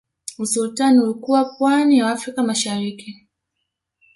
Usultani ulikuwa pwani ya afrika mashariki